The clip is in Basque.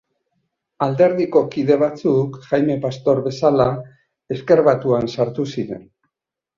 Alderdiko kide batzuk, Jaime Pastor bezala, Ezker Batuan sartu ziren.